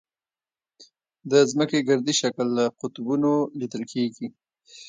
د ځمکې ګردي شکل له قطبونو لیدل کېږي.